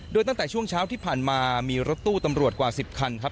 โดยตั้งแต่ช่วงเช้าที่ผ่านมามีรถตู้ตำรวจกว่า๑๐คันครับ